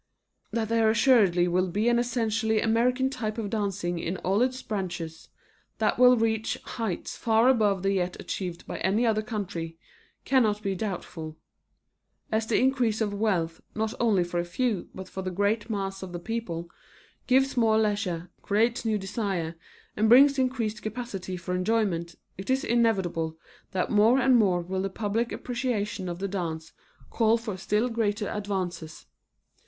That there assuredly will be an essentially American type of dancing in all its branches, that will reach heights far above that yet achieved by any other country, cannot be doubtful. As the increase of wealth, not only for a few, but for the great mass of the people, gives more leisure, creates new desires, and brings increased capacity for enjoyment, it is inevitable that more and more will the public appreciation of the dance call for still greater advances.